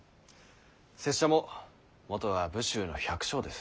拙者ももとは武州の百姓です。